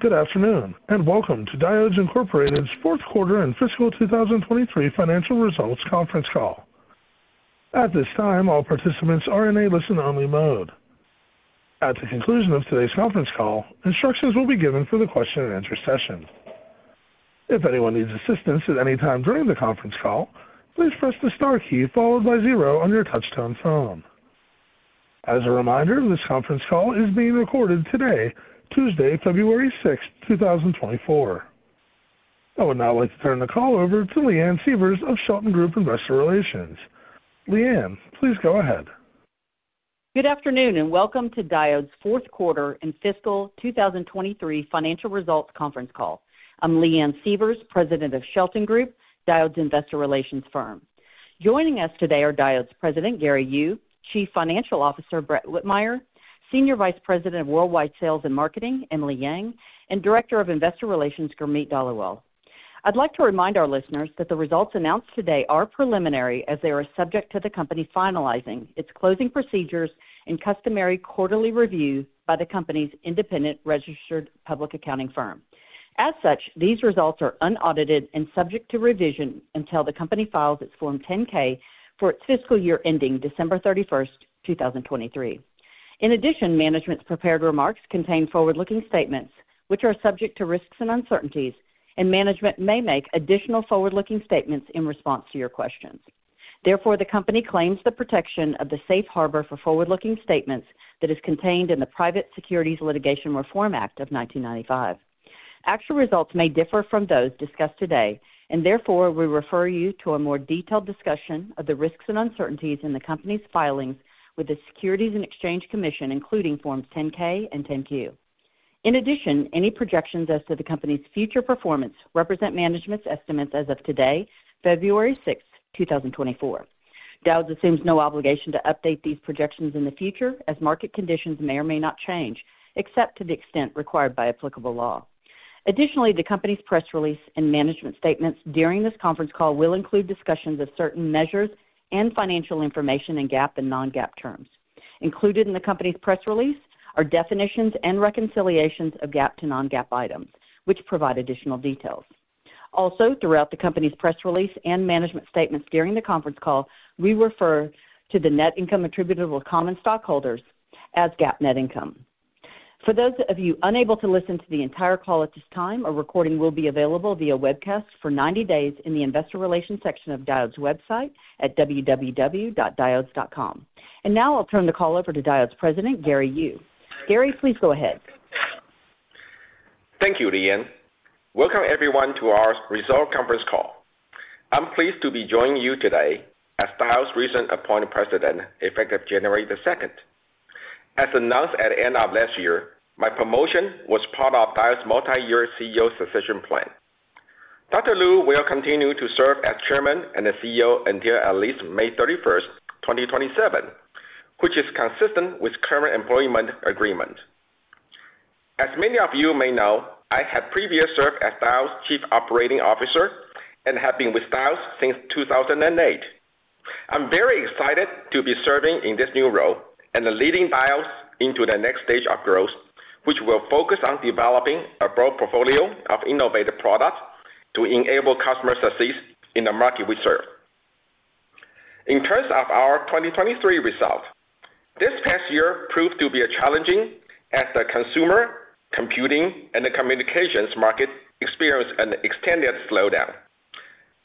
Good afternoon, and welcome to Diodes Incorporated's Q4 and fiscal 2023 financial results conference call. At this time, all participants are in a listen-only mode. At the conclusion of today's conference call, instructions will be given for the question-and-answer session. If anyone needs assistance at any time during the conference call, please press the star key followed by zero on your touchtone phone. As a reminder, this conference call is being recorded today, Tuesday, February 6, 2024. I would now like to turn the call over to Leanne Sievers of Shelton Group Investor Relations. Leanne, please go ahead. Good afternoon, and welcome to Diodes' fourth quarter and fiscal 2023 financial results conference call. I'm Leanne Sievers, President of Shelton Group, Diodes' investor relations firm. Joining us today are Diodes President, Gary Yu, Chief Financial Officer, Brett Whitmire, Senior Vice President of Worldwide Sales and Marketing, Emily Yang, and Director of Investor Relations, Gurmeet Dhaliwal. I'd like to remind our listeners that the results announced today are preliminary, as they are subject to the company finalizing its closing procedures and customary quarterly reviews by the company's independent registered public accounting firm. As such, these results are unaudited and subject to revision until the company files its Form 10-K for its fiscal year ending December 31, 2023. In addition, management's prepared remarks contain forward-looking statements, which are subject to risks and uncertainties, and management may make additional forward-looking statements in response to your questions. Therefore, the company claims the protection of the safe harbor for forward-looking statements that is contained in the Private Securities Litigation Reform Act of 1995. Actual results may differ from those discussed today, and therefore, we refer you to a more detailed discussion of the risks and uncertainties in the company's filings with the Securities and Exchange Commission, including Forms 10-K and 10-Q. In addition, any projections as to the company's future performance represent management's estimates as of today, February 6, 2024. Diodes assumes no obligation to update these projections in the future, as market conditions may or may not change, except to the extent required by applicable law. Additionally, the company's press release and management statements during this conference call will include discussions of certain measures and financial information in GAAP and non-GAAP terms. Included in the company's press release are definitions and reconciliations of GAAP to non-GAAP items, which provide additional details. Also, throughout the company's press release and management statements during the conference call, we refer to the net income attributable to common stockholders as GAAP net income. For those of you unable to listen to the entire call at this time, a recording will be available via webcast for 90 days in the investor relations section of Diodes' website at www.diodes.com. And now I'll turn the call over to Diodes President, Gary Yu. Gary, please go ahead. Thank you, Leanne. Welcome, everyone, to our results conference call. I'm pleased to be joining you today as Diodes' recently appointed President, effective January 2. As announced at the end of last year, my promotion was part of Diodes' multi-year CEO succession plan. Dr. Lu will continue to serve as Chairman and CEO until at least May 31, 2027, which is consistent with current employment agreement. As many of you may know, I have previously served as Diodes' Chief Operating Officer and have been with Diodes since 2008. I'm very excited to be serving in this new role and leading Diodes into the next stage of growth, which will focus on developing a broad portfolio of innovative products to enable customer success in the market we serve. In terms of our 2023 results, this past year proved to be challenging as the consumer, computing, and the communications market experienced an extended slowdown,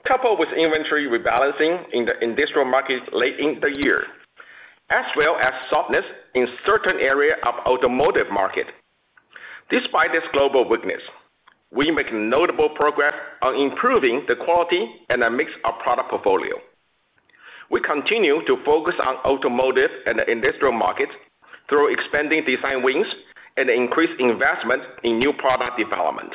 coupled with inventory rebalancing in the industrial markets late in the year, as well as softness in certain areas of automotive market. Despite this global weakness, we make notable progress on improving the quality and a mix of product portfolio. We continue to focus on automotive and the industrial market through expanding design wins and increased investment in new product development,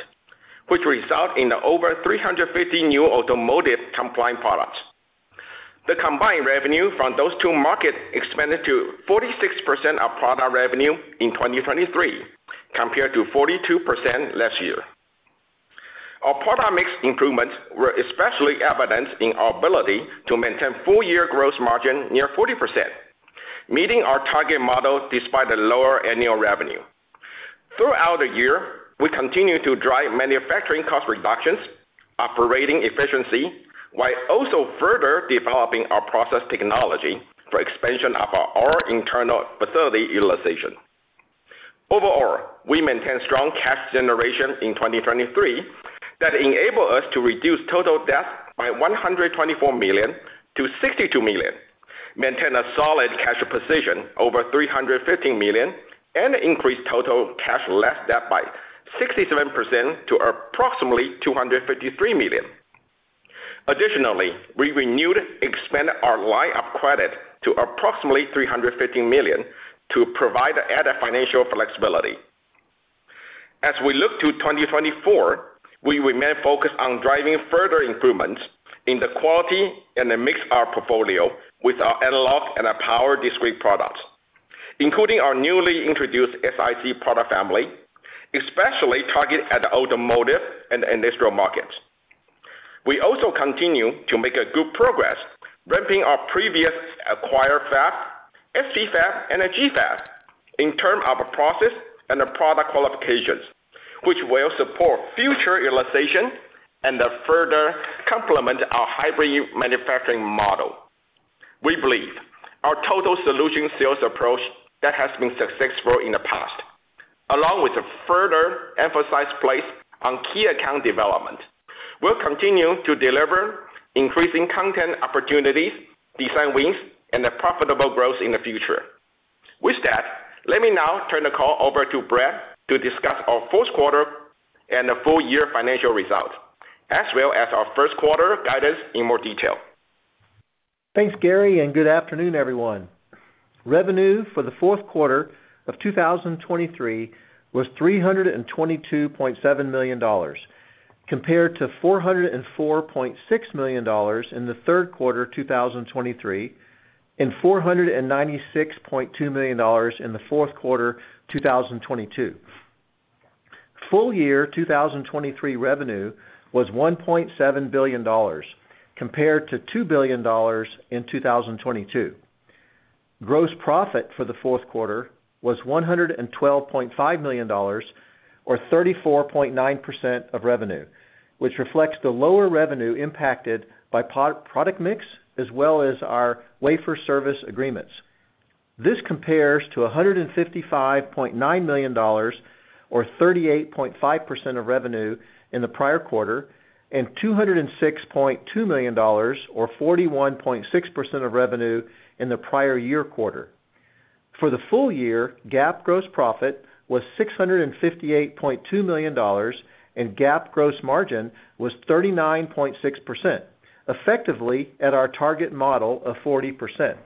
which result in over 350 new automotive-compliant products. The combined revenue from those two markets expanded to 46% of product revenue in 2023, compared to 42% last year. Our product mix improvements were especially evident in our ability to maintain full-year growth margin near 40%, meeting our target model despite the lower annual revenue. Throughout the year, we continued to drive manufacturing cost reductions, operating efficiency, while also further developing our process technology for expansion of our internal facility utilization. Overall, we maintained strong cash generation in 2023 that enabled us to reduce total debt by $124 million to $62 million, maintain a solid cash position over $350 million, and increase total cash less debt by 67% to approximately $253 million. Additionally, we renewed, expanded our line of credit to approximately $350 million to provide added financial flexibility. As we look to 2024, we remain focused on driving further improvements in the quality and the mix of our portfolio with our analog and our power discrete products, including our newly introduced SiC product family, especially targeted at the automotive and industrial markets.... We also continue to make a good progress, ramping our previous acquired fab, FC fab, and a G fab, in terms of process and the product qualifications, which will support future utilization and further complement our hybrid manufacturing model. We believe our total solution sales approach that has been successful in the past, along with a further emphasis placed on key account development, will continue to deliver increasing content opportunities, design wins, and a profitable growth in the future. With that, let me now turn the call over to Brett to discuss our Q4 and the full year financial results, as well as our Q1 guidance in more detail. Thanks, Gary, and good afternoon, everyone. Revenue for the Q4 of 2023 was $322.7 million, compared to $404.6 million in the Q3 of 2023, and $496.2 million in the Q4 2022. Full year 2023 revenue was $1.7 billion, compared to $2 billion in 2022. Gross profit for the fourth quarter was $112.5 million, or 34.9% of revenue, which reflects the lower revenue impacted by product mix, as well as our wafer service agreements. This compares to $155.9 million, or 38.5% of revenue, in the prior quarter, and $206.2 million, or 41.6% of revenue, in the prior year quarter. For the full year, GAAP gross profit was $658.2 million, and GAAP gross margin was 39.6%, effectively at our target model of 40%.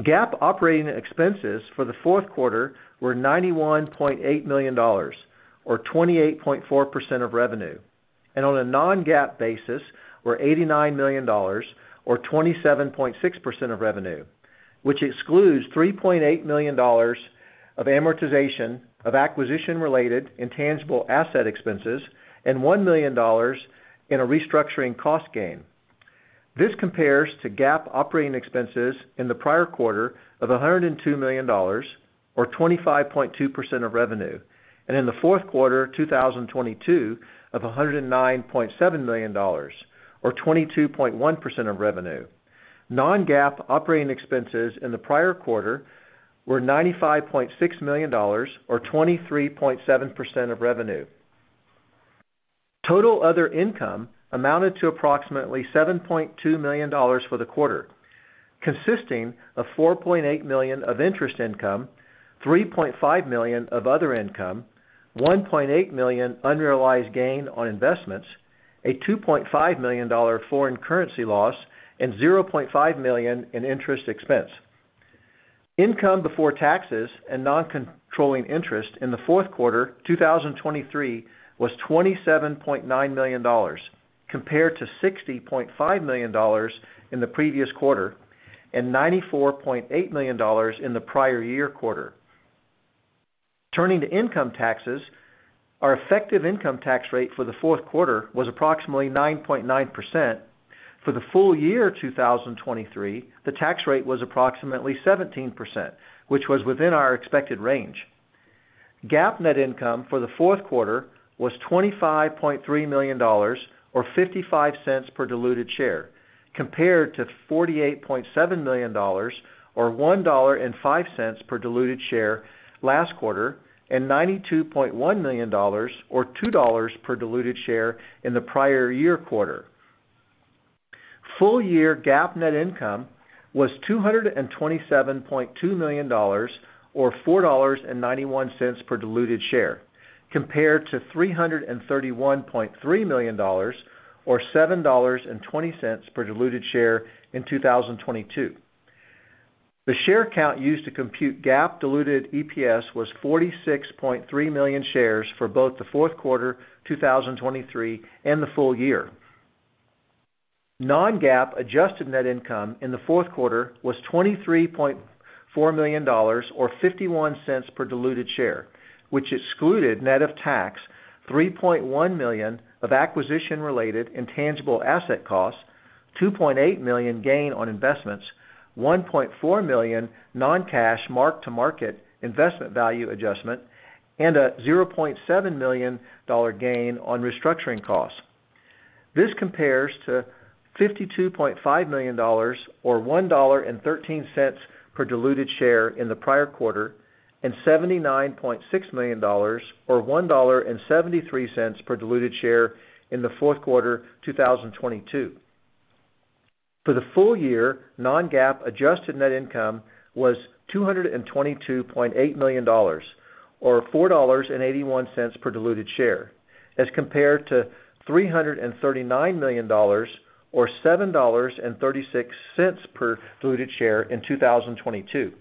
GAAP operating expenses for the Q4 were $91.8 million, or 28.4% of revenue, and on a non-GAAP basis, were $89 million, or 27.6% of revenue, which excludes $3.8 million of amortization of acquisition-related intangible asset expenses, and $1 million in a restructuring cost gain. This compares to GAAP operating expenses in the prior quarter of $102 million, or 25.2% of revenue, and in the fourth quarter of 2022, of $109.7 million, or 22.1% of revenue. Non-GAAP operating expenses in the prior quarter were $95.6 million, or 23.7% of revenue. Total other income amounted to approximately $7.2 million for the quarter, consisting of $4.8 million of interest income, $3.5 million of other income, $1.8 million unrealized gain on investments, a $2.5 million foreign currency loss, and $0.5 million in interest expense. Income before taxes and non-controlling interest in the Q4 2023 was $27.9 million, compared to $60.5 million in the previous quarter, and $94.8 million in the prior year quarter. Turning to income taxes, our effective income tax rate for the Q4 was approximately 9.9%. For the full year 2023, the tax rate was approximately 17%, which was within our expected range. GAAP net income for the Q4 was $25.3 million, or $0.55 per diluted share, compared to $48.7 million, or $1.05 per diluted share last quarter, and $92.1 million, or $2 per diluted share, in the prior year quarter. Full year GAAP net income was $227.2 million, or $4.91 per diluted share, compared to $331.3 million, or $7.20 per diluted share in 2022. The share count used to compute GAAP diluted EPS was 46.3 million shares for both the Q4 2023 and the full year. Non-GAAP adjusted net income in the Q4 was $23.4 million, or $0.51 per diluted share, which excluded net of tax, $3.1 million of acquisition-related intangible asset costs, $2.8 million gain on investments, $1.4 million non-cash mark-to-market investment value adjustment, and a $0.7 million dollar gain on restructuring costs. This compares to $52.5 million, or $1.13 per diluted share in the prior quarter, and $79.6 million, or $1.73 per diluted share in the Q4 2022. For the full year, non-GAAP adjusted net income was $222.8 million, or $4.81 per diluted share, as compared to $339 million, or $7.36 per diluted share in 2022.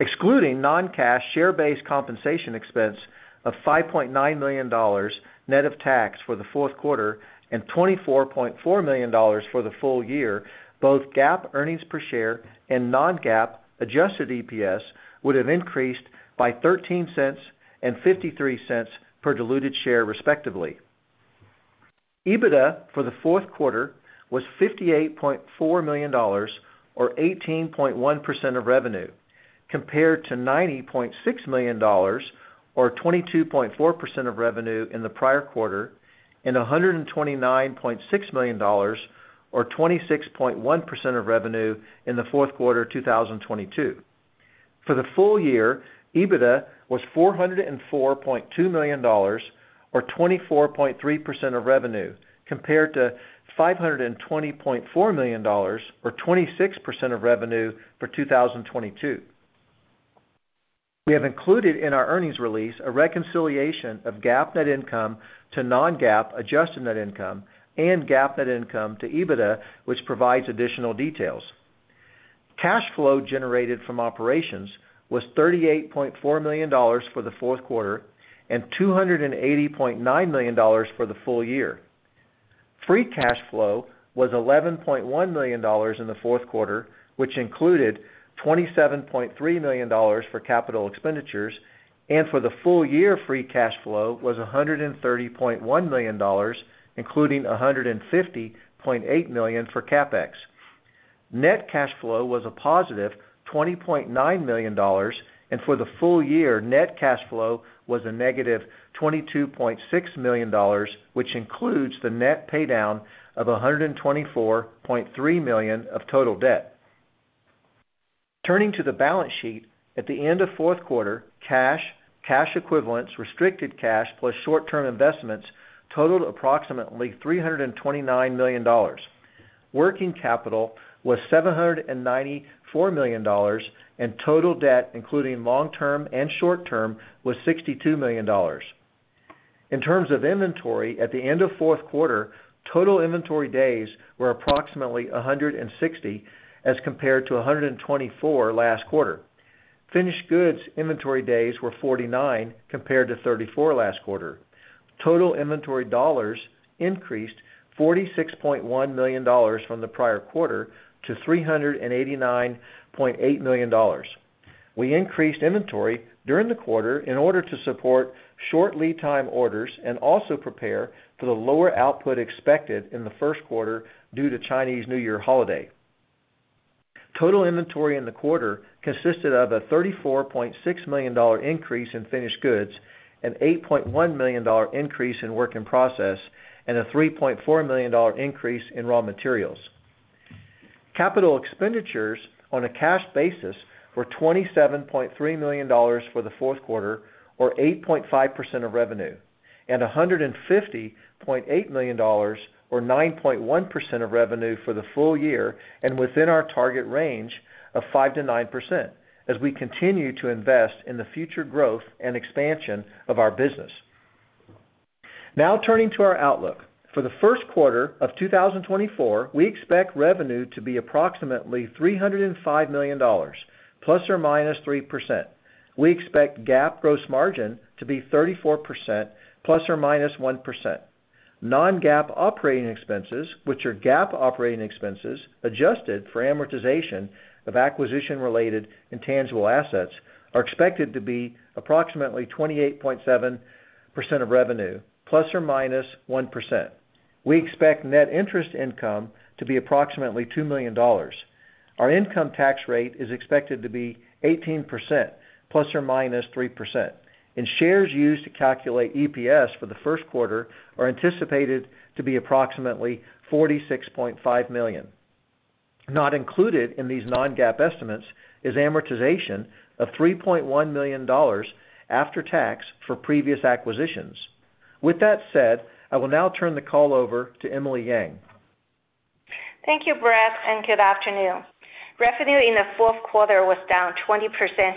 Excluding non-cash share-based compensation expense of $5.9 million net of tax for the Q4, and $24.4 million for the full year, both GAAP earnings per share and non-GAAP adjusted EPS would have increased by $0.13 and $0.53 per diluted share, respectively.... EBITDA for the fourth quarter was $58.4 million, or 18.1% of revenue, compared to $90.6 million, or 22.4% of revenue in the prior quarter, and $129.6 million or 26.1% of revenue in the Q4, 2022. For the full year, EBITDA was $404.2 million or 24.3% of revenue, compared to $520.4 million or 26% of revenue for 2022. We have included in our earnings release a reconciliation of GAAP net income to non-GAAP adjusted net income and GAAP net income to EBITDA, which provides additional details. Cash flow generated from operations was $38.4 million for the fourth quarter and $280.9 million for the full year. Free cash flow was $11.1 million in the Q4, which included $27.3 million for capital expenditures, and for the full year, free cash flow was $130.1 million, including $150.8 million for CapEx. Net cash flow was +$20.9 million, and for the full year, net cash flow was -$22.6 million, which includes the net paydown of $124.3 million of total debt. Turning to the balance sheet, at the end of fourth quarter, cash, cash equivalents, restricted cash, plus short-term investments totaled approximately $329 million. Working capital was $794 million, and total debt, including long-term and short-term, was $62 million. In terms of inventory, at the end of Q4, total inventory days were approximately 160, as compared to 124 last quarter. Finished goods inventory days were 49, compared to 34 last quarter. Total inventory dollars increased $46.1 million from the prior quarter to $389.8 million. We increased inventory during the quarter in order to support short lead time orders and also prepare for the lower output expected in the first quarter due to Chinese New Year holiday. Total inventory in the quarter consisted of a $34.6 million increase in finished goods, an $8.1 million increase in work in process, and a $3.4 million increase in raw materials. Capital expenditures on a cash basis were $27.3 million for the Q4, or 8.5% of revenue, and $150.8 million, or 9.1% of revenue for the full year, and within our target range of 5%-9%, as we continue to invest in the future growth and expansion of our business. Now, turning to our outlook. For the first quarter of 2024, we expect revenue to be approximately $305 million, ±3%. We expect GAAP gross margin to be 34%, ±1%. Non-GAAP operating expenses, which are GAAP operating expenses, adjusted for amortization of acquisition-related intangible assets, are expected to be approximately 28.7% of revenue, ±1%. We expect net interest income to be approximately $2 million. Our income tax rate is expected to be 18%, ±3%, and shares used to calculate EPS for the first quarter are anticipated to be approximately 46.5 million. Not included in these non-GAAP estimates is amortization of $3.1 million after tax for previous acquisitions. With that said, I will now turn the call over to Emily Yang. Thank you, Brett, and good afternoon. Revenue in the Q4 was down 20%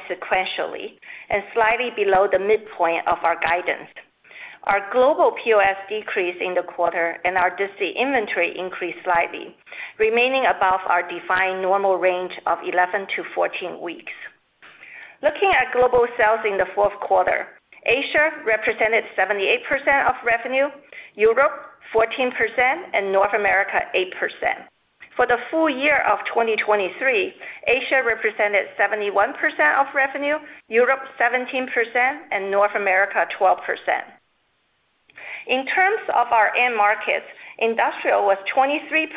sequentially and slightly below the midpoint of our guidance. Our global POS decreased in the quarter, and our DC inventory increased slightly, remaining above our defined normal range of 11-14 weeks. Looking at global sales in the fourth quarter, Asia represented 78% of revenue, Europe 14%, and North America 8%. For the full year of 2023, Asia represented 71% of revenue, Europe 17%, and North America 12%. In terms of our end markets, industrial was 23%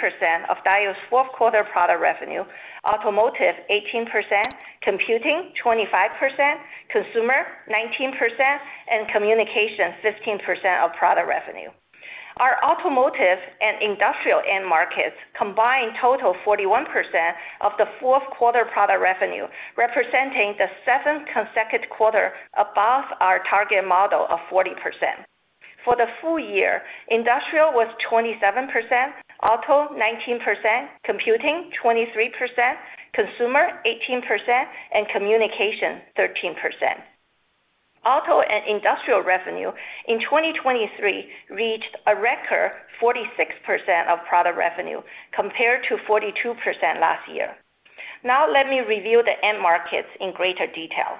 of Diodes' fourth quarter product revenue, automotive 18%, computing 25%, consumer 19%, and communication 15% of product revenue. Our automotive and industrial end markets combined total 41% of the Q4 product revenue, representing the seventh consecutive quarter above our target model of 40%. For the full year, industrial was 27%, auto 19%, computing 23%, consumer 18%, and communication 13%. Auto and industrial revenue in 2023 reached a record 46% of product revenue, compared to 42% last year. Now let me review the end markets in greater detail.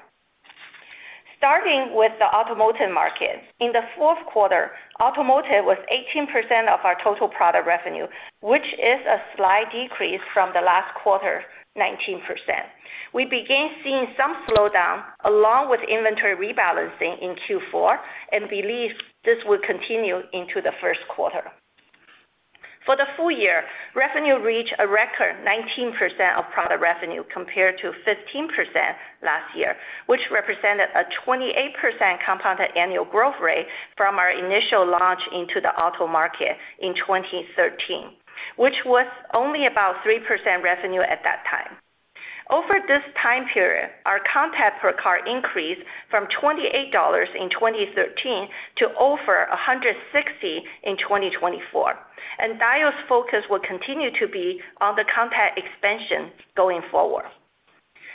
Starting with the automotive market. In the Q4, automotive was 18% of our total product revenue, which is a slight decrease from the last quarter, 19%. We began seeing some slowdown, along with inventory rebalancing in Q4, and believe this will continue into the Q1. For the full year, revenue reached a record 19% of product revenue compared to 15% last year, which represented a 28% compounded annual growth rate from our initial launch into the auto market in 2013, which was only about 3% revenue at that time. Over this time period, our content per car increased from $28 in 2013 to over $160 in 2024, and Diodes' focus will continue to be on the content expansion going forward.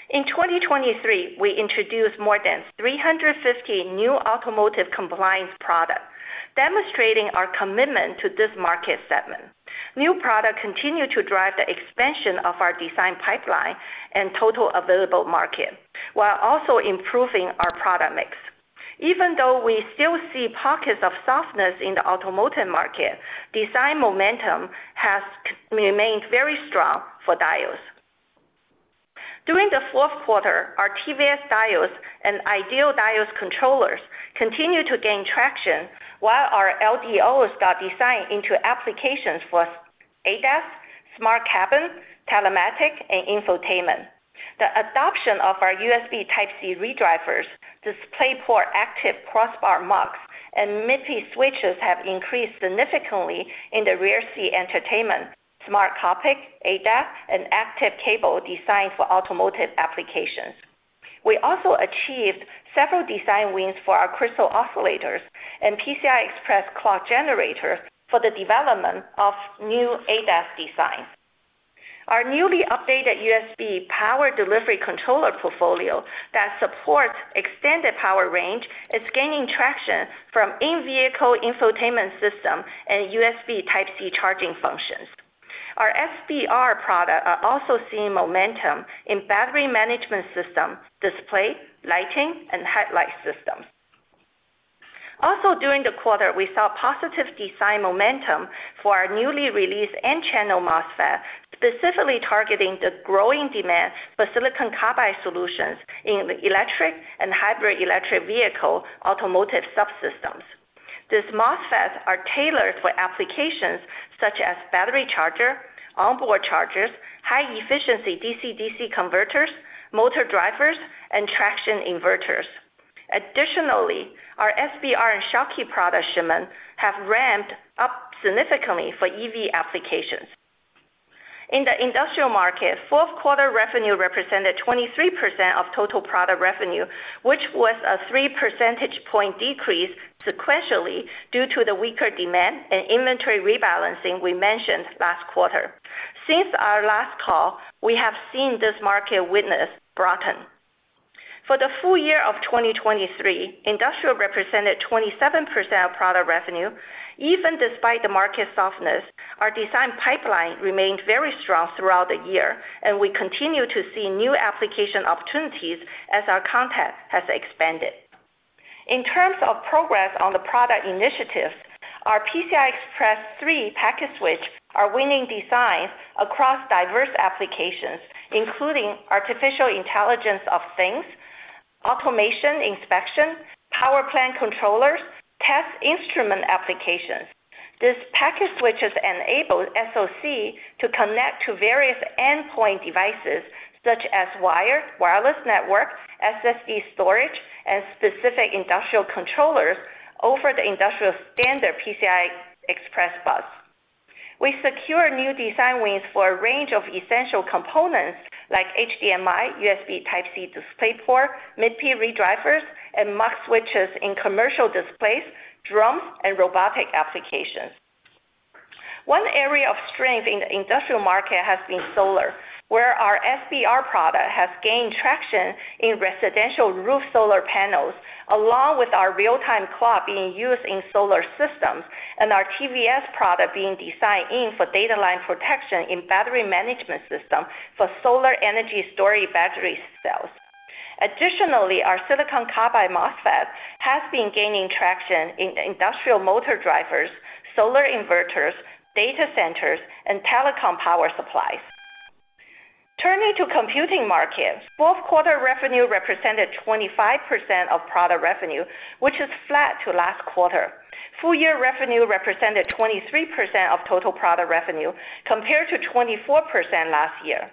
In 2023, we introduced more than 350 new automotive compliance products, demonstrating our commitment to this market segment. New products continue to drive the expansion of our design pipeline and total available market, while also improving our product mix. Even though we still see pockets of softness in the automotive market, design momentum has remained very strong for Diodes. During the Q4, our TVS diodes and ideal diodes controllers continued to gain traction, while our LDOs got designed into applications for ADAS, smart cabin, telematics, and infotainment. The adoption of our USB Type-C redrivers, DisplayPort active crossbar MUX, and MIPI switches has increased significantly in the rear seat entertainment, smart cockpit, ADAS, and active cable design for automotive applications. We also achieved several design wins for our crystal oscillators and PCI Express clock generator for the development of new ADAS design. Our newly updated USB power delivery controller portfolio that supports extended power range is gaining traction from in-vehicle infotainment system and USB Type-C charging functions. Our SBR products are also seeing momentum in battery management system, display, lighting, and headlight systems. Also, during the quarter, we saw positive design momentum for our newly released N-channel MOSFET, specifically targeting the growing demand for silicon carbide solutions in the electric and hybrid electric vehicle automotive subsystems. These MOSFETs are tailored for applications such as battery charger, onboard chargers, high-efficiency DC-DC converters, motor drivers, and traction inverters. Additionally, our SBR and Schottky product shipments have ramped up significantly for EV applications. In the industrial market, Q4 revenue represented 23% of total product revenue, which was a three percentage point decrease sequentially due to the weaker demand and inventory rebalancing we mentioned last quarter. Since our last call, we have seen this market witness broaden. For the full year of 2023, industrial represented 27% of product revenue. Even despite the market softness, our design pipeline remained very strong throughout the year, and we continue to see new application opportunities as our content has expanded. In terms of progress on the product initiatives, our PCI Express 3 package switches are winning designs across diverse applications, including artificial intelligence of things, automation inspection, power plant controllers, test instrument applications. These package switches enable SoC to connect to various endpoint devices such as wired, wireless network, SSD storage, and specific industrial controllers over the industrial standard PCI Express bus. We secure new design wins for a range of essential components like HDMI, USB Type-C, DisplayPort, MIPI redrivers, and MUX switches in commercial displays, drones, and robotic applications. One area of strength in the industrial market has been solar, where our SBR product has gained traction in residential roof solar panels, along with our real-time clock being used in solar systems and our TVS product being designed in for data line protection in battery management system for solar energy storage battery cells. Additionally, our silicon carbide MOSFET has been gaining traction in industrial motor drivers, solar inverters, data centers, and telecom power supplies. Turning to computing markets, Q4 revenue represented 25% of product revenue, which is flat to last quarter. Full year revenue represented 23% of total product revenue, compared to 24% last year.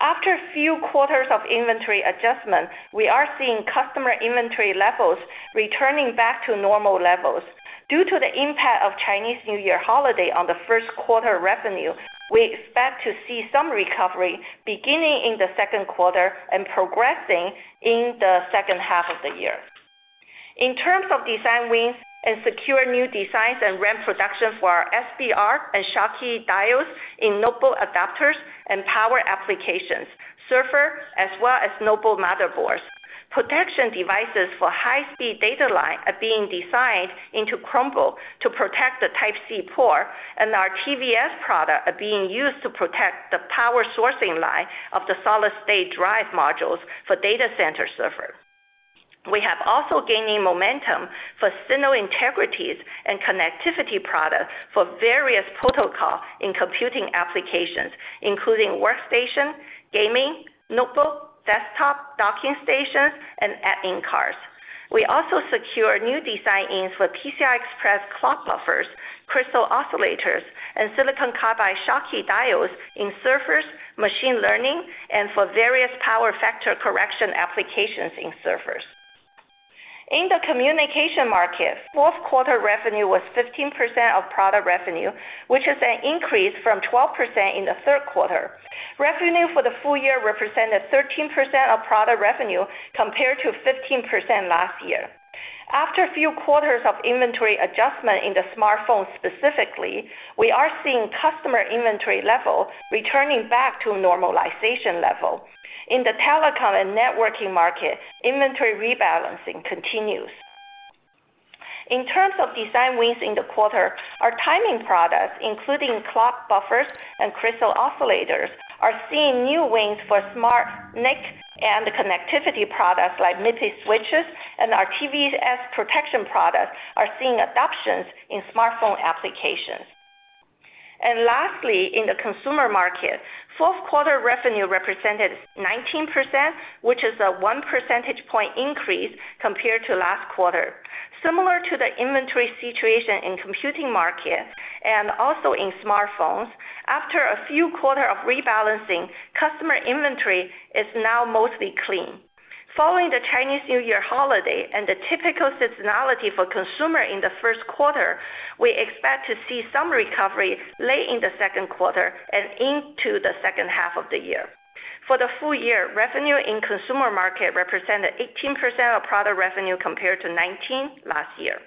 After a few quarters of inventory adjustment, we are seeing customer inventory levels returning back to normal levels. Due to the impact of Chinese New Year holiday on the Q1 revenue, we expect to see some recovery beginning in the Q2 and progressing in the second half of the year. In terms of design wins and secure new designs and ramp production for our SBR and Schottky diodes in notebook adapters and power applications, server, as well as notebook motherboards. Protection devices for high-speed data line are being designed into Chromebook to protect the Type-C port, and our TVS products are being used to protect the power sourcing line of the solid-state drive modules for data center servers. We have also gaining momentum for signal integrity and connectivity products for various protocol in computing applications, including workstation, gaming, notebook, desktop, docking stations, and app in cars. We also secure new design wins for PCI Express clock buffers, crystal oscillators, and silicon carbide Schottky diodes in servers, machine learning, and for various power factor correction applications in servers. In the communication market, Q4 revenue was 15% of product revenue, which is an increase from 12% in the Q3. Revenue for the full year represented 13% of product revenue, compared to 15% last year. After a few quarters of inventory adjustment in the smartphone specifically, we are seeing customer inventory level returning back to a normalization level. In the telecom and networking market, inventory rebalancing continues. In terms of design wins in the quarter, our timing products, including clock buffers and crystal oscillators, are seeing new wins for smart NIC and the connectivity products like MIPI switches and our TVS protection products are seeing adoptions in smartphone applications. Lastly, in the consumer market, Q4 revenue represented 19%, which is a one percentage point increase compared to last quarter. Similar to the inventory situation in computing market and also in smartphones, after a few quarters of rebalancing, customer inventory is now mostly clean. Following the Chinese New Year holiday and the typical seasonality for consumer in the Q1, we expect to see some recovery late in the Q and into the second half of the year. For the full year, revenue in consumer market represented 18% of product revenue, compared to 19% last year.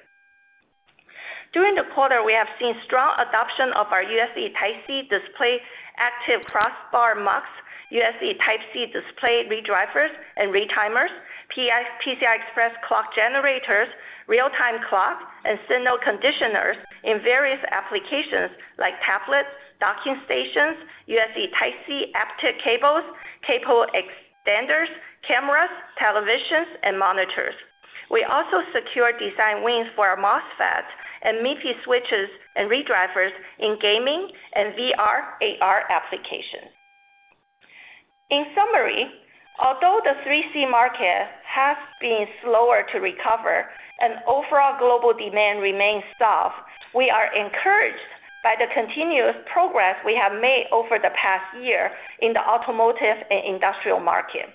During the quarter, we have seen strong adoption of our USB Type-C display, active crossbar mux, USB Type-C display redrivers and retimers, PCI Express clock generators, real-time clock, and signal conditioners in various applications like tablets, docking stations, USB Type-C active cables, cable extenders, cameras, televisions, and monitors. We also secure design wins for our MOSFET and MIPI switches and redrivers in gaming and VR, AR applications. In summary, although the 3C market has been slower to recover and overall global demand remains soft, we are encouraged by the continuous progress we have made over the past year in the automotive and industrial market.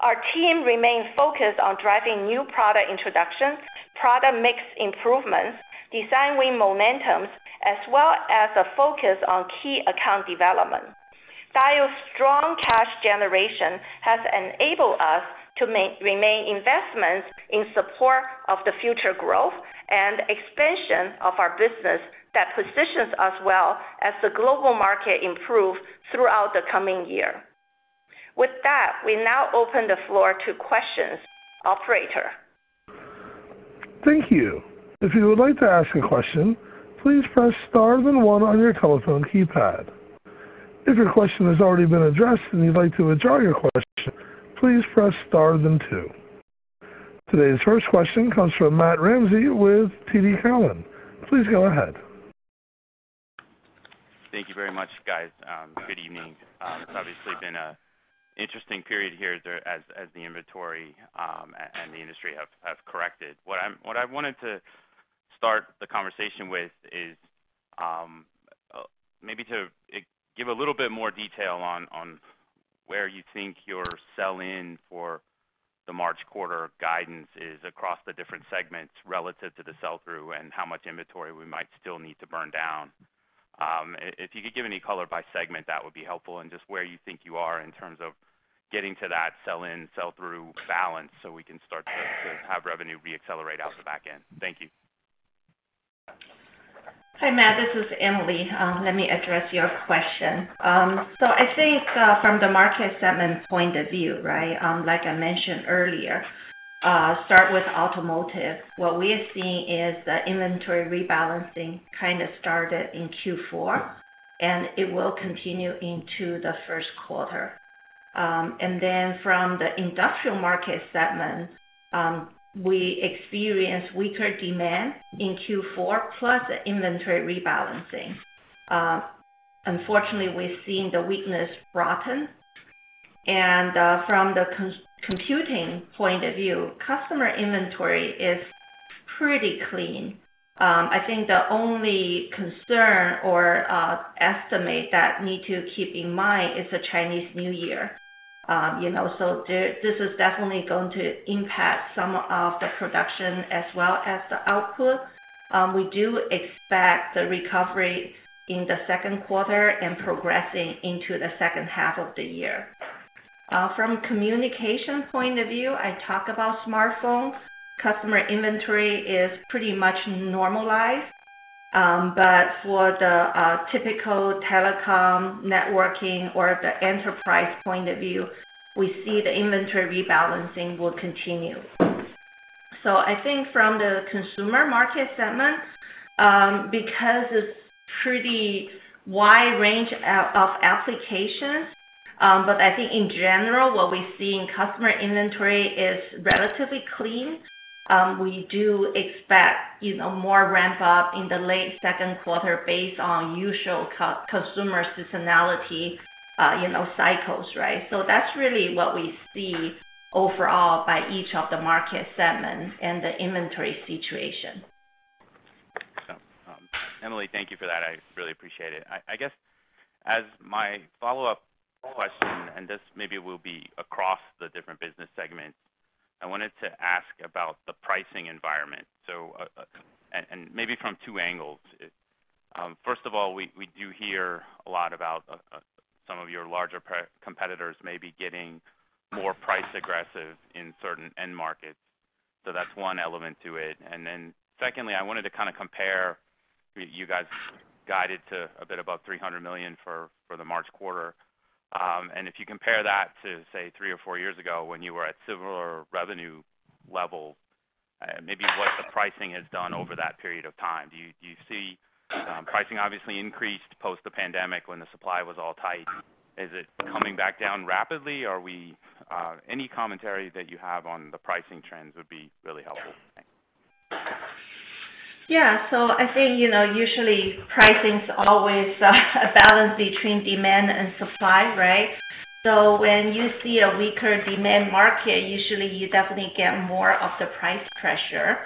Our team remains focused on driving new product introductions, product mix improvements, design win momentums, as well as a focus on key account development. Diodes' strong cash generation has enabled us to maintain investments in support of the future growth and expansion of our business that positions us well as the global market improves throughout the coming year. With that, we now open the floor to questions. Operator? Thank you. If you would like to ask a question, please press star then one on your telephone keypad. If your question has already been addressed and you'd like to withdraw your question, please press star then two. Today's first question comes from Matt Ramsey with TD Cowen. Please go ahead. Thank you very much, guys. Good evening. It's obviously been an interesting period here as the inventory and the industry have corrected. What I wanted to start the conversation with is maybe to give a little bit more detail on where you think your sell-in for the March quarter guidance is across the different segments relative to the sell-through, and how much inventory we might still need to burn down. If you could give any color by segment, that would be helpful, and just where you think you are in terms of getting to that sell-in, sell-through balance, so we can start to have revenue reaccelerate out the back end. Thank you. Hi, Matt, this is Emily. Let me address your question. So I think from the market segment point of view, right? Like I mentioned earlier, start with automotive. What we are seeing is the inventory rebalancing kind of started in Q4, and it will continue into the Q1. And then from the industrial market segment, we experienced weaker demand in Q4, plus inventory rebalancing. Unfortunately, we've seen the weakness broaden. And from the computing point of view, customer inventory is pretty clean. I think the only concern or estimate that need to keep in mind is the Chinese New Year. You know, so this is definitely going to impact some of the production as well as the output. We do expect the recovery in the Q2 and progressing into the second half of the year. From communication point of view, I talk about smartphones. Customer inventory is pretty much normalized, but for the typical telecom, networking, or the enterprise point of view, we see the inventory rebalancing will continue. So I think from the consumer market segment, because it's pretty wide range of applications. But I think in general, what we see in customer inventory is relatively clean. We do expect, you know, more ramp up in the late Q2 based on usual consumer seasonality, you know, cycles, right? So that's really what we see overall by each of the market segments and the inventory situation. So, Emily, thank you for that. I really appreciate it. I guess, as my follow-up question, and this maybe will be across the different business segments, I wanted to ask about the pricing environment. So, and maybe from two angles. First of all, we do hear a lot about some of your larger peer competitors maybe getting more price aggressive in certain end markets. So that's one element to it. And then, secondly, I wanted to kinda compare, you guys guided to a bit above $300 million for the March quarter. And if you compare that to, say, three or four years ago, when you were at similar revenue level, maybe what the pricing has done over that period of time. Do you see pricing obviously increased post the pandemic when the supply was all tight? Is it coming back down rapidly? Any commentary that you have on the pricing trends would be really helpful. Thanks. Yeah. So I think, you know, usually pricing's always a balance between demand and supply, right? So when you see a weaker demand market, usually you definitely get more of the price pressure.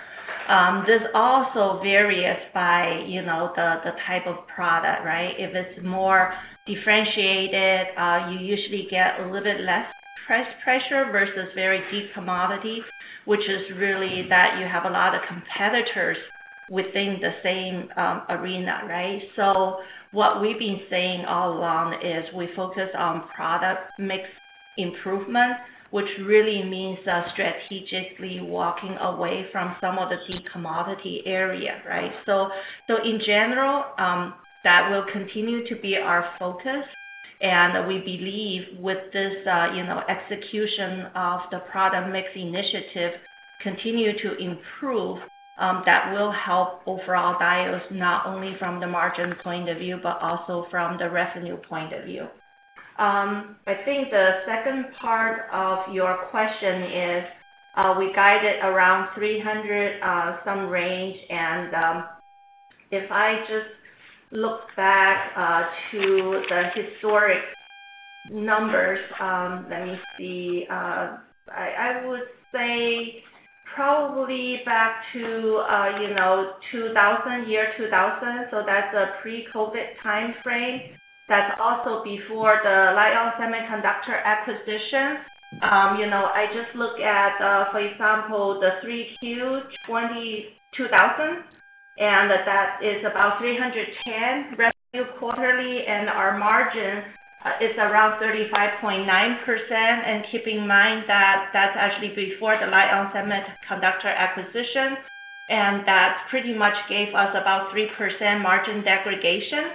This also varies by, you know, the type of product, right? If it's more differentiated, you usually get a little bit less price pressure versus very deep commodity, which is really that you have a lot of competitors within the same arena, right? So what we've been saying all along is we focus on product mix improvement, which really means strategically walking away from some of the key commodity area, right? So, so in general, that will continue to be our focus, and we believe with this, you know, execution of the product mix initiative continue to improve, that will help overall Diodes, not only from the margin point of view, but also from the revenue point of view. I think the second part of your question is, we guided around $300-some range, and, if I just look back, to the historic numbers, let me see. I, I would say probably back to, you know, 2000, year 2000, so that's a pre-COVID timeframe. That's also before the Lite-On Semiconductor acquisition. You know, I just look at, for example, the 3Q 2020, and that is about $310 million quarterly revenue, and our margin is around 35.9%. Keep in mind that that's actually before the Lite-On Semiconductor acquisition, and that pretty much gave us about 3% margin degradation.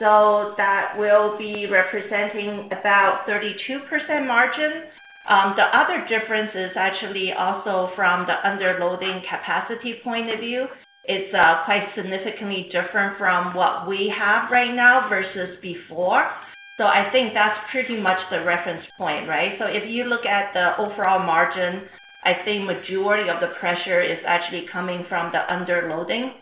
So that will be representing about 32% margin. The other difference is actually also from the underloading capacity point of view. It's quite significantly different from what we have right now versus before. So I think that's pretty much the reference point, right? So if you look at the overall margin, I think majority of the pressure is actually coming from the underloading,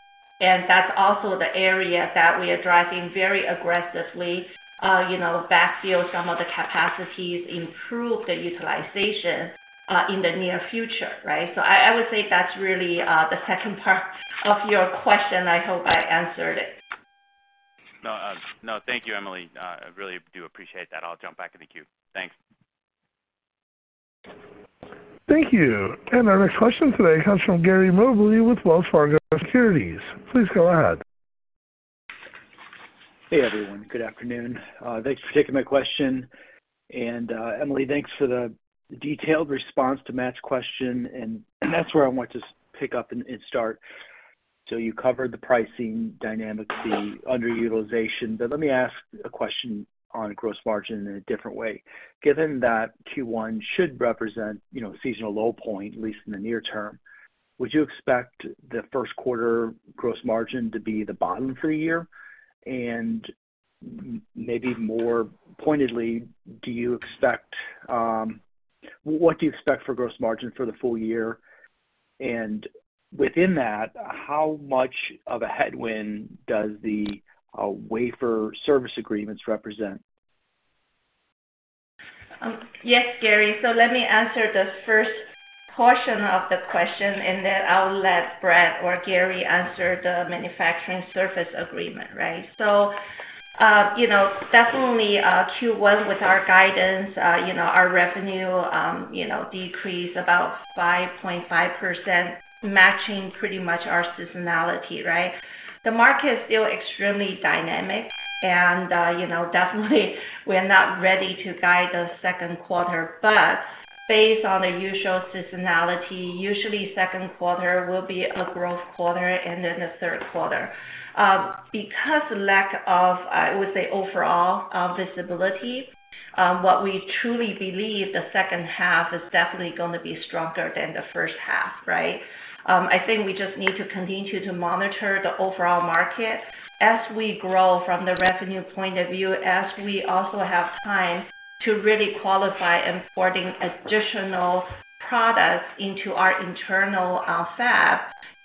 and that's also the area that we are driving very aggressively, you know, backfill some of the capacities, improve the utilization, in the near future, right? So I, I would say that's really the second part of your question. I hope I answered it. No, no, thank you, Emily. I really do appreciate that. I'll jump back in the queue. Thanks. Thank you. Our next question today comes from Gary Mobley with Wells Fargo Securities. Please go ahead. Hey, everyone. Good afternoon. Thanks for taking my question. And, Emily, thanks for the detailed response to Matt's question, and that's where I want to pick up and start. So you covered the pricing dynamics, the underutilization, but let me ask a question on gross margin in a different way. Given that Q1 should represent, you know, seasonal low point, at least in the near term, would you expect the Q1 gross margin to be the bottom for a year? And maybe more pointedly, do you expect. What do you expect for gross margin for the full year? And within that, how much of a headwind does the wafer service agreements represent? Yes, Gary. So let me answer the first portion of the question, and then I'll let Brad or Gary answer the manufacturing service agreement, right? So, you know, definitely, Q1 with our guidance, you know, our revenue, you know, decreased about 5.5%, matching pretty much our seasonality, right? The market is still extremely dynamic and, you know, definitely we're not ready to guide the Q2. But based on the usual seasonality, usually Q2 will be a growth quarter and then the Q3. Because lack of, I would say, overall, visibility, what we truly believe, the second half is definitely going to be stronger than the first half, right? I think we just need to continue to monitor the overall market. As we grow from the revenue point of view, as we also have time to really qualify and porting additional products into our internal, fab,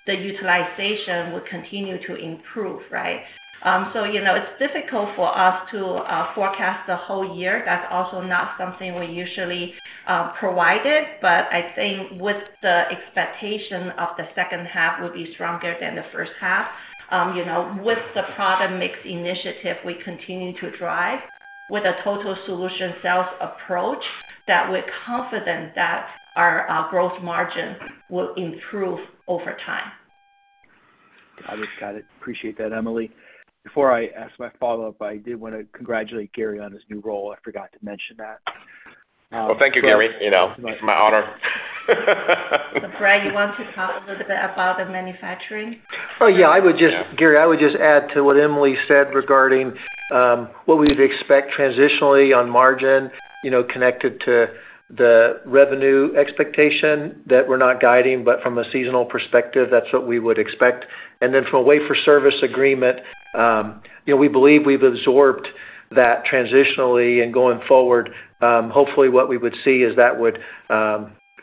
the utilization will continue to improve, right? So you know, it's difficult for us to forecast the whole year. That's also not something we usually provided, but I think with the expectation of the second half will be stronger than the first half, you know, with the product mix initiative we continue to drive with a total solution sales approach, that we're confident that our growth margin will improve over time. I just got it. Appreciate that, Emily. Before I ask my follow-up, I did want to congratulate Gary on his new role. I forgot to mention that. Well, thank you, Gary, you know, my honor. Brad, you want to talk a little bit about the manufacturing? Oh, yeah, Gary, I would just add to what Emily said regarding what we'd expect transitionally on margin, you know, connected to the revenue expectation that we're not guiding, but from a seasonal perspective, that's what we would expect. And then from a wafer service agreement, you know, we believe we've absorbed that transitionally and going forward, hopefully what we would see is that would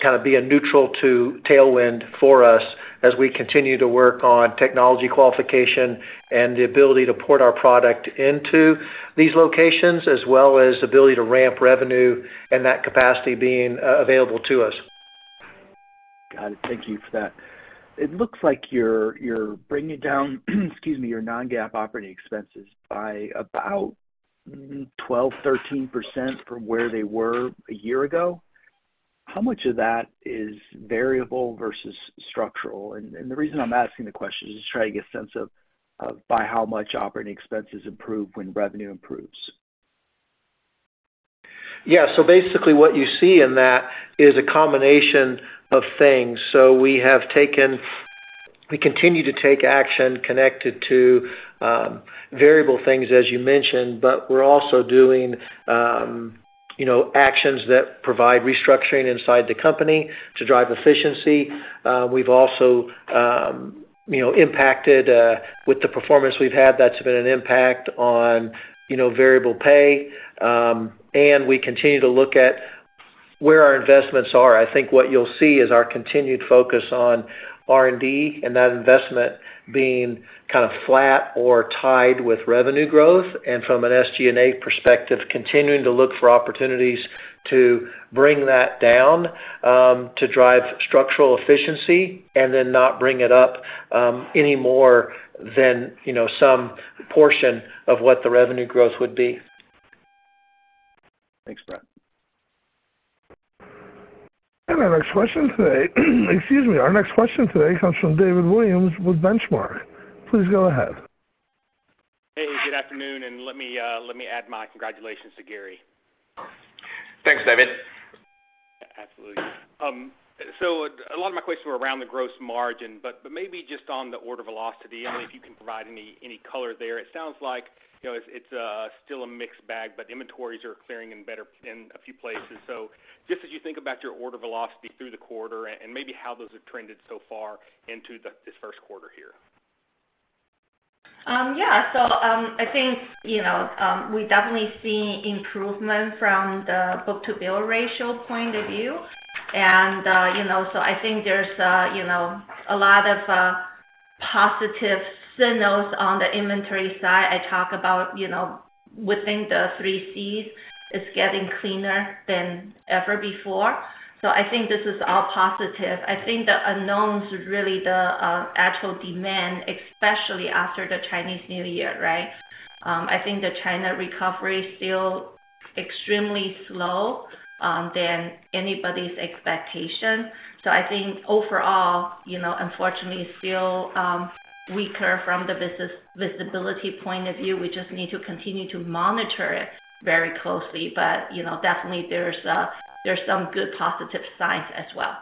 kind of be a neutral to tailwind for us as we continue to work on technology qualification and the ability to port our product into these locations, as well as the ability to ramp revenue and that capacity being available to us. Got it. Thank you for that. It looks like you're bringing down, excuse me, your non-GAAP operating expenses by about 12%-13% from where they were a year ago. How much of that is variable versus structural? And the reason I'm asking the question is just trying to get a sense of by how much operating expenses improve when revenue improves. Yeah. So basically what you see in that is a combination of things. So we have taken, we continue to take action connected to variable things, as you mentioned, but we're also doing, you know, actions that provide restructuring inside the company to drive efficiency. We've also, you know, impacted with the performance we've had, that's been an impact on, you know, variable pay. And we continue to look at where our investments are. I think what you'll see is our continued focus on R&D, and that investment being kind of flat or tied with revenue growth. And from an SG&A perspective, continuing to look for opportunities to bring that down to drive structural efficiency and then not bring it up any more than, you know, some portion of what the revenue growth would be. Thanks, Brad. Excuse me. Our next question today comes from David Williams with Benchmark. Please go ahead. Hey, good afternoon, and let me add my congratulations to Gary. Thanks, David. Absolutely. So a lot of my questions were around the gross margin, but maybe just on the order velocity, I mean, if you can provide any color there. It sounds like, you know, it's still a mixed bag, but inventories are clearing and better in a few places. So just as you think about your order velocity through the quarter and maybe how those have trended so far into this Q1 here. Yeah. So, I think, you know, we definitely see improvement from the Book-to-Bill Ratio point of view. And, you know, so I think there's, you know, a lot of positive signals on the inventory side. I talk about, you know, within the three Cs, it's getting cleaner than ever before. So I think this is all positive. I think the unknowns is really the actual demand, especially after the Chinese New Year, right? I think the China recovery is still extremely slow than anybody's expectation. So I think overall, you know, unfortunately, still weaker from the business visibility point of view. We just need to continue to monitor it very closely. But, you know, definitely there's some good positive signs as well.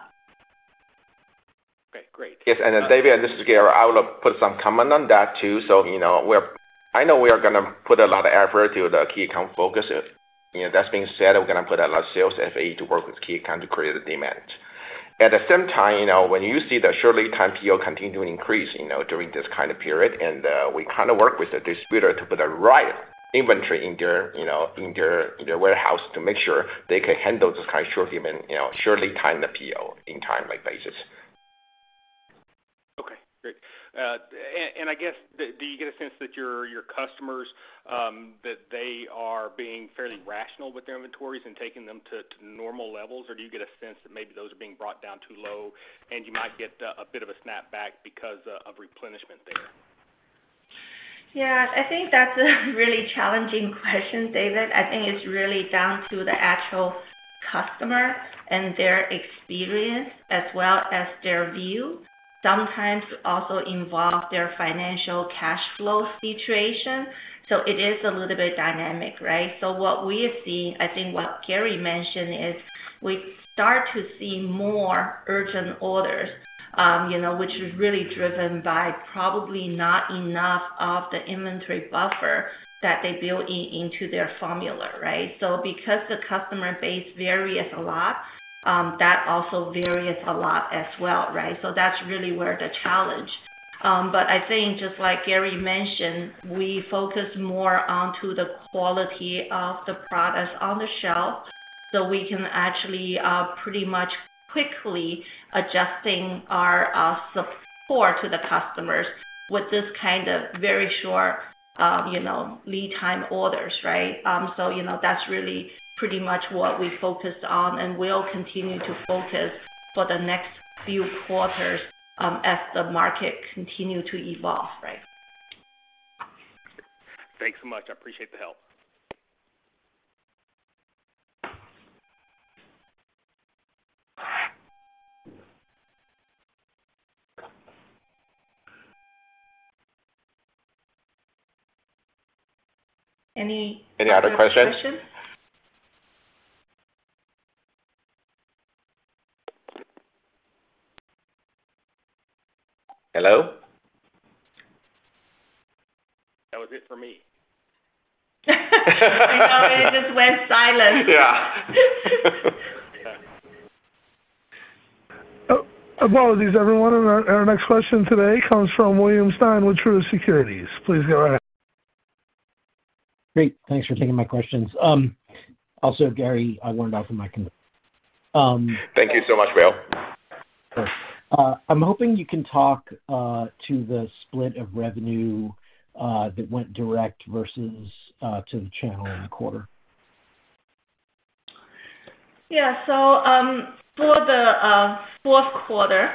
Okay, great. Yes, and then, David, this is Gary. I would put some comment on that, too. So, you know, we're. I know we are going to put a lot of effort to the key account focuses. You know, that being said, we're going to put a lot of sales FA to work with key account to create the demand. At the same time, you know, when you see the short lead time PO continue to increase, you know, during this kind of period, and we kind of work with the distributor to put the right inventory in their, you know, in their, their warehouse to make sure they can handle this kind of short demand, you know, short lead time PO in timely basis. Okay, great. And I guess, do you get a sense that your customers that they are being fairly rational with their inventories and taking them to normal levels? Or do you get a sense that maybe those are being brought down too low, and you might get a bit of a snapback because of replenishment there? Yeah, I think that's a really challenging question, David. I think it's really down to the actual customer and their experience as well as their view. Sometimes also involve their financial cash flow situation, so it is a little bit dynamic, right? So what we have seen, I think what Gary mentioned, is we start to see more urgent orders, you know, which is really driven by probably not enough of the inventory buffer that they build into their formula, right? So because the customer base varies a lot, that also varies a lot as well, right? So that's really where the challenge. But I think just like Gary mentioned, we focus more onto the quality of the products on the shelf, so we can actually pretty much quickly adjusting our support to the customers with this kind of very short, you know, lead time orders, right? So, you know, that's really pretty much what we focused on and will continue to focus for the next few quarters as the market continue to evolve, right? Thanks so much. I appreciate the help. Any other questions? Hello? That was it for me. It just went silent. Yeah. Apologies, everyone. Our next question today comes from William Stein with Truist Securities. Please go ahead. Great. Thanks for taking my questions. Also, Gary, I learned out from my con- Thank you so much, Will. Sure. I'm hoping you can talk to the split of revenue that went direct versus to the channel in the quarter. Yeah. So, for the Q4,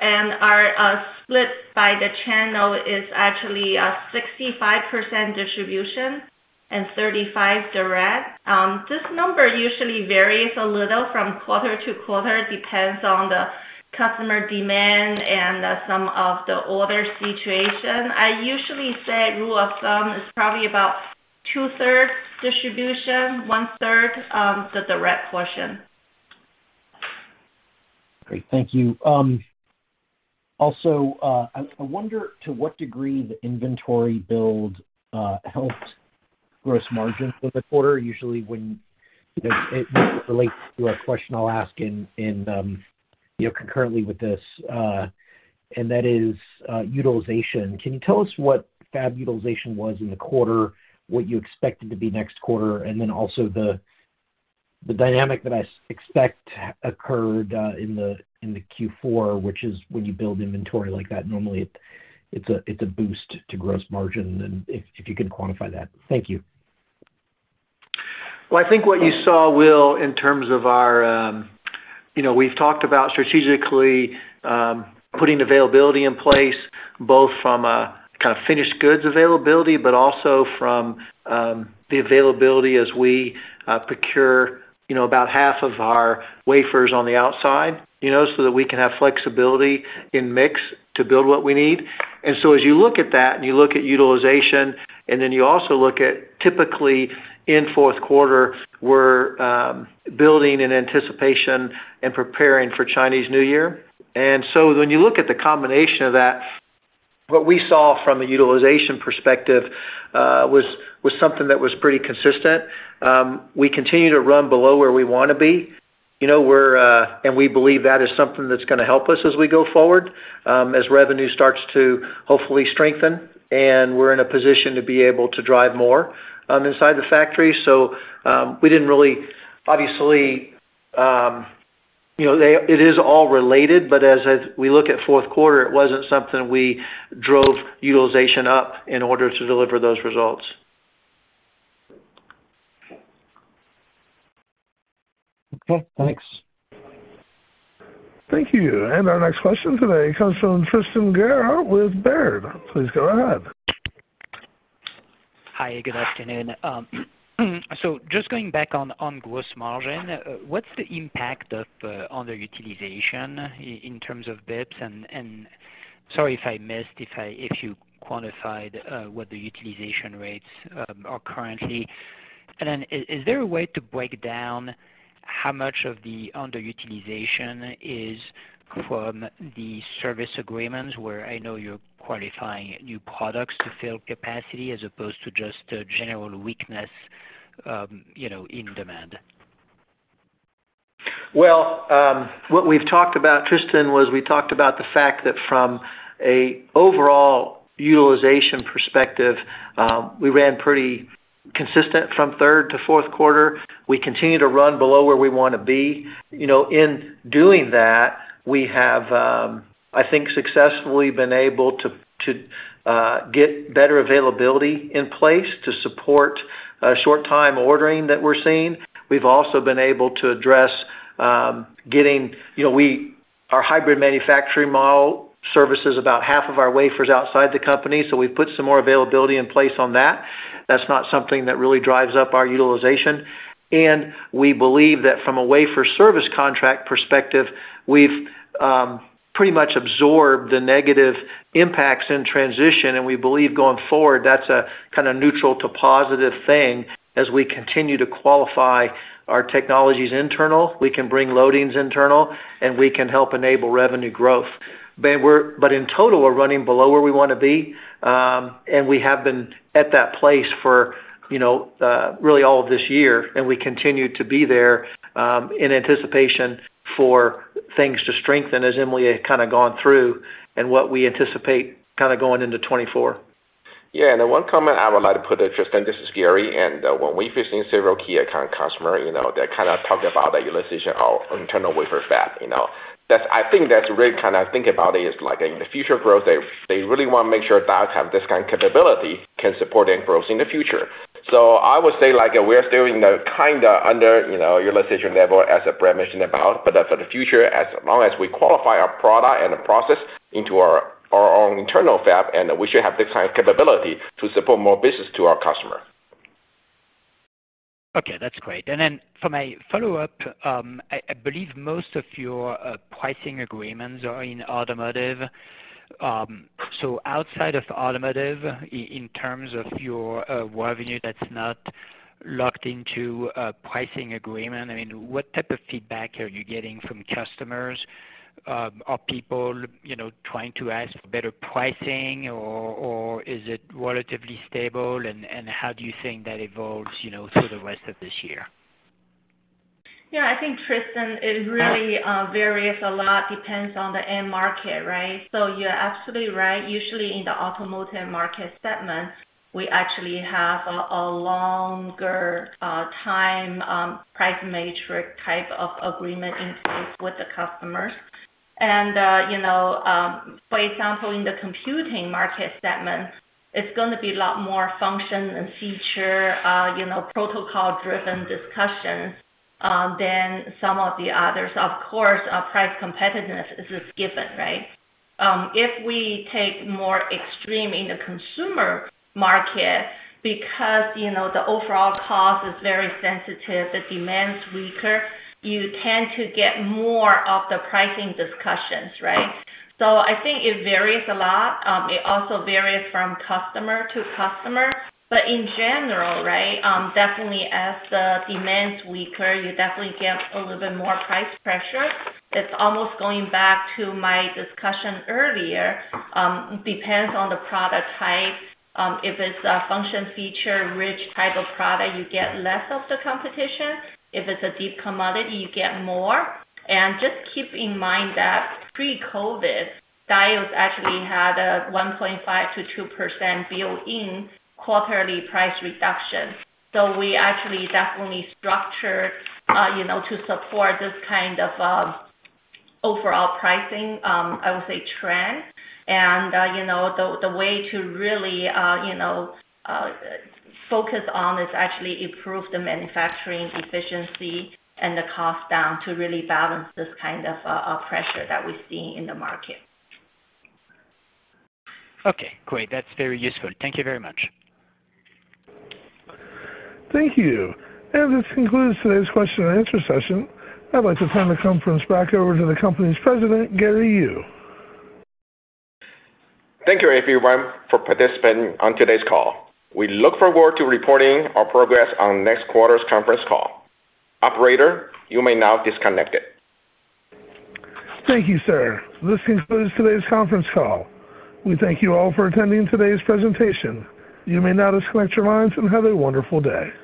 and our split by the channel is actually 65% distribution and 35 direct. This number usually varies a little from quarter to quarter. It depends on the customer demand and some of the order situation. I usually say rule of thumb is probably about 2/3 distribution, 1/3 the direct portion. Great. Thank you. Also, I wonder to what degree the inventory build helped gross margin for the quarter. Usually when, you know, it relates to a question I'll ask in concurrently with this, and that is utilization. Can you tell us what fab utilization was in the quarter, what you expect it to be next quarter, and then also the dynamic that I expect occurred in the Q4, which is when you build inventory like that, normally it, it's a boost to gross margin, and if you can quantify that. Thank you. Well, I think what you saw, Will, in terms of our, you know, we've talked about strategically putting availability in place, both from a kind of finished goods availability, but also from the availability as we procure, you know, about half of our wafers on the outside, you know, so that we can have flexibility in mix to build what we need. And so as you look at that and you look at utilization, and then you also look at typically in Q4, we're building in anticipation and preparing for Chinese New Year. And so when you look at the combination of that, what we saw from a utilization perspective was something that was pretty consistent. We continue to run below where we want to be. You know, we're and we believe that is something that's going to help us as we go forward, as revenue starts to hopefully strengthen, and we're in a position to be able to drive more inside the factory. So, we didn't really obviously, you know, it is all related, but we look at Q4, it wasn't something we drove utilization up in order to deliver those results. Okay. Thanks. Thank you. Our next question today comes from Tristan Gera with Baird. Please go ahead. Hi, good afternoon. So just going back on gross margin, what's the impact of underutilization in terms of fabs? And sorry if I missed if you quantified what the utilization rates are currently. And then is there a way to break down how much of the underutilization is from the service agreements, where I know you're qualifying new products to fill capacity as opposed to just a general weakness, you know, in demand? Well, what we've talked about, Tristan, was we talked about the fact that from an overall utilization perspective, we ran pretty consistent from third to Q4. We continue to run below where we want to be. You know, in doing that, we have, I think, successfully been able to get better availability in place to support short time ordering that we're seeing. We've also been able to address getting. You know, our hybrid manufacturing model services about half of our wafers outside the company, so we've put some more availability in place on that. That's not something that really drives up our utilization. And we believe that from a wafer service contract perspective, we've pretty much absorbed the negative impacts in transition, and we believe going forward, that's a kind of neutral to positive thing. As we continue to qualify our technologies internal, we can bring loadings internal, and we can help enable revenue growth. But in total, we're running below where we want to be, and we have been at that place for, you know, really all of this year, and we continue to be there, in anticipation for things to strengthen, as Emily had kind of gone through, and what we anticipate kind of going into 2024. Yeah, and one comment I would like to put it, Tristan, this is Gary. And when we visit several key account customer, you know, they kind of talked about the utilization of internal wafer fab, you know? That's - I think that's really kind of think about it, is like in the future growth, they, they really want to make sure that have this kind of capability can support the growth in the future. So I would say, like, we're still in the kind of under, you know, utilization level, as Brad mentioned about, but for the future, as long as we qualify our product and the process into our, our own internal fab, and we should have this kind of capability to support more business to our customer. Okay, that's great. And then for my follow-up, I believe most of your pricing agreements are in automotive. So outside of automotive, in terms of your revenue, that's not locked into a pricing agreement, I mean, what type of feedback are you getting from customers? Are people, you know, trying to ask for better pricing, or is it relatively stable? And how do you think that evolves, you know, through the rest of this year? Yeah, I think, Tristan, it really, varies a lot, depends on the end market, right? So you're absolutely right. Usually, in the automotive market segment, we actually have a longer time price matrix type of agreement in place with the customers. And, you know, for example, in the computing market segment, it's going to be a lot more function and feature, you know, protocol-driven discussions, than some of the others. Of course, our price competitiveness is given, right? If we take more extreme in the consumer market, because, you know, the overall cost is very sensitive, the demand's weaker, you tend to get more of the pricing discussions, right? So I think it varies a lot. It also varies from customer to customer, but in general, right, definitely as the demand's weaker, you definitely get a little bit more price pressure. It's almost going back to my discussion earlier. Depends on the product type. If it's a function feature, rich type of product, you get less of the competition. If it's a deep commodity, you get more. And just keep in mind that pre-COVID, Diodes actually had a 1.5%-2% built-in quarterly price reduction. So we actually definitely structured, you know, to support this kind of overall pricing, I would say trend. And, you know, the way to really, you know, focus on is actually improve the manufacturing efficiency and the cost down to really balance this kind of pressure that we're seeing in the market. Okay, great. That's very useful. Thank you very much. Thank you. This concludes today's question and answer session. I'd like to turn the conference back over to the company's president, Gary Yu. Thank you, everyone, for participating on today's call. We look forward to reporting our progress on next quarter's conference call. Operator, you may now disconnect it. Thank you, sir. This concludes today's conference call. We thank you all for attending today's presentation. You may now disconnect your lines and have a wonderful day.